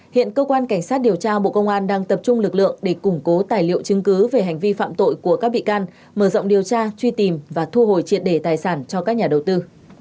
hiện cơ quan cảnh sát điều tra bộ công an đang tập trung lực lượng để củng cố tài liệu chứng cứ về hành vi phạm tội của các bị can mở rộng điều tra truy tìm và thu hồi triệt đề tài sản cho các nhà đầu tư